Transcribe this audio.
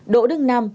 đỗ đức nam